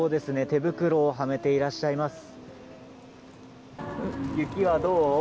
手袋をはめていらっしゃいます。